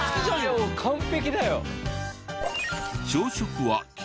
いやもう完璧だよ。